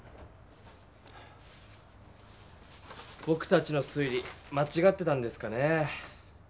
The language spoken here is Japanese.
ぼくたちの推理まちがってたんですかね？